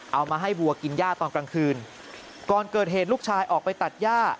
เอามาให้วัวกินย่าตอนกลางคืนก่อนเกิดเหตุลูกชายออกไปตัดย่า